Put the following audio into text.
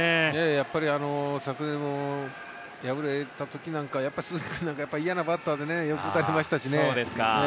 やっぱり昨年の敗れた時なんかは鈴木君なんか嫌なバッターでよく打たれましたしね。